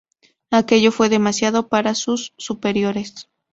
Aquello fue demasiado para sus superiores.